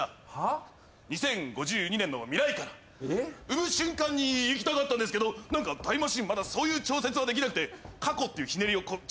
産む瞬間に行きたかったんですけど何かタイムマシンまだそういう調節はできなくて過去っていうひねりを調節して。